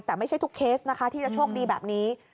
แต่ไม่ใช่ทุกเคสนะคะที่จะโชคดีแบบนี้